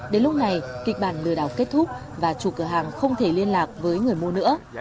đến lúc này kịch bản lừa đảo kết thúc và chủ cửa hàng không thể liên lạc với người mua nữa